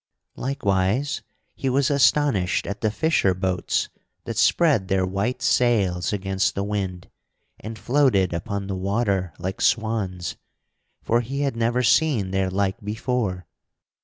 Likewise he was astonished at the fisher boats that spread their white sails against the wind, and floated upon the water like swans, for he had never seen their like before.